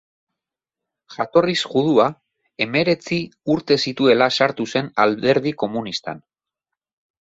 Jatorriz judua, hemeretzi urte zituela sartu zen Alderdi komunistan.